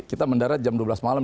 kita mendarat jam dua belas malam